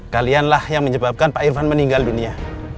kalian lah yang menyebabkan pak irvan meninggal bininya